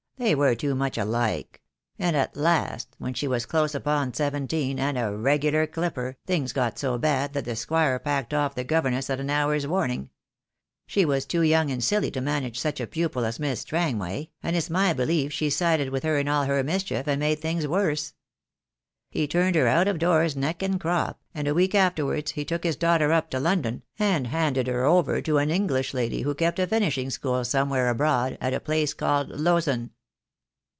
They were too much alike; and at last, when she was close upon seventeen, and a regular clipper, things got so bad that the Squire packed off the governess at an hour's warning. She was too young and silly to manage such a pupil as Miss Strangway, and it's my belief she sided with her in all her mischief, and made things worse. He turned her out of doors neck and crop, and a week afterwards he took his daughter up to London and handed her over to an English lady, who kept a finishing school somewhere abroad, at a place called Losun."